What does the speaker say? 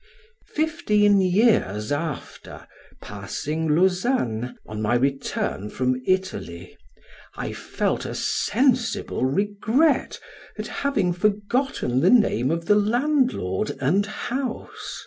Fifteen years after, passing Lausanne, on my return from Italy, I felt a sensible regret at having forgotten the name of the landlord and house.